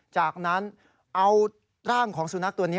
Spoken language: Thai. จากนั้นเอาร่างของสุนัขตัวนี้